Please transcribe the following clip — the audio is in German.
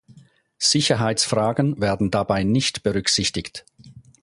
Sicherheitsfragen werden dabei nicht berücksichtigt.